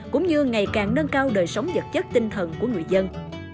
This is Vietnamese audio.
cũng như ngày càng nâng cao đời sống vật chất tinh thần của người dân